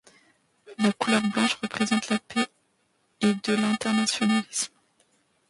La couleur blanche représente la paix et de l'internationalisme.